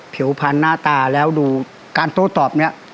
ผิวพันหน้าตาแล้วดูการโต้ตอบเนี่ย